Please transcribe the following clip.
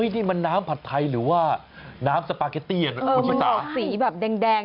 นี่มันน้ำผัดไทยหรือว่าน้ำสปาเกตตี้คุณชิสาสีแบบแดง